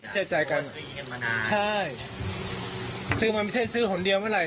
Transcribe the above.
เชื่อใจกันใช่ซื้อมันไม่ใช่ซื้อคนเดียวเมื่อไหร่